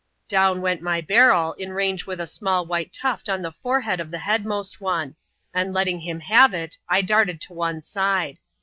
Down went my barrel, in range with a small white tuft on the forehead of the headmost one ; and, lettii^ him have it, I darted to one side.